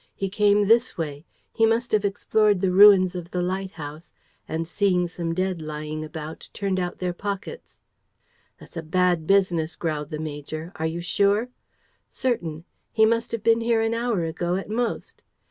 He came this way. He must have explored the ruins of the lighthouse and, seeing some dead lying about, turned out their pockets." "That's a bad business," growled the major. "Are you sure?" "Certain. He must have been here an hour ago at most.